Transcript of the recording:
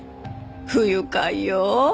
不愉快よ。